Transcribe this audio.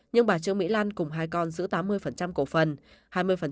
nhưng bà trương mỹ lan cùng hai con giữ tám mươi cổ phần